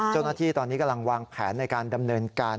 เจ้าหน้าที่ตอนนี้กำลังวางแผนในการดำเนินการ